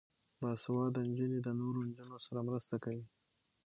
باسواده نجونې د نورو نجونو سره مرسته کوي.